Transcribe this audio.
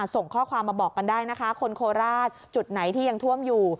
ส่งข้อความมาบอกกันได้นะคะคนโคราชจุดไหนที่ยังท่วมอยู่